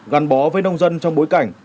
gắn bó với nông dân trong bối cảnh